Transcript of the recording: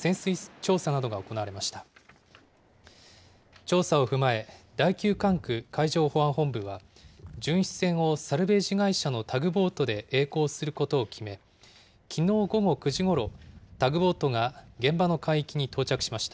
調査を踏まえ、第９管区海上保安本部は、巡視船をサルベージ会社のタグボートでえい航することを決め、きのう午後９時ごろ、タグボートが現場の海域に到着しました。